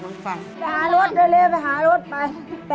ไปหารถเร็วไปหารถไป